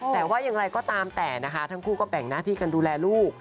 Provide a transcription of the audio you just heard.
แต่ว่าอย่างไรก็ตามแต่นะคะทั้งคู่ก็แบ่งหน้าที่กันดูแลลูก